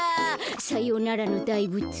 さようならのだいぶつ。